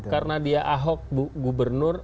karena dia ahok gubernur